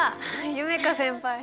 夢叶先輩。